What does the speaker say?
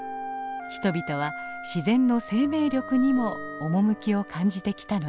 人々は自然の生命力にも趣を感じてきたのです。